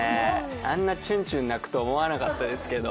あんなチュンチュン鳴くと思わなかったですけど。